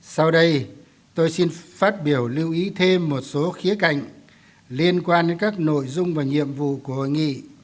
sau đây tôi xin phát biểu lưu ý thêm một số khía cạnh liên quan đến các nội dung và nhiệm vụ của hội nghị